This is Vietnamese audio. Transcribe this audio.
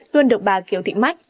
luôn được bà kiều thị mách